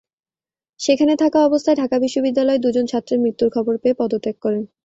সেখানে থাকা অবস্থায় ঢাকা বিশ্ববিদ্যালয়ের দুজন ছাত্রের মৃত্যুর খবর পেয়ে পদত্যাগ করেন।